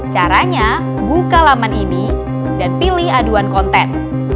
caranya buka laman ini dan pilih aduan konten